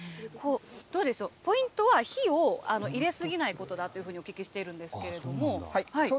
どうでしょう、ポイントは火を入れ過ぎないことだというふうにお聞きしているんですけれども。